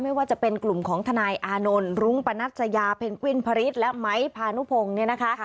ไม่ว่าจะเป็นกลุ่มของทนายอานนท์รุ้งปนัสยาเพนกวินพริษและไม้พานุพงศ์เนี่ยนะคะ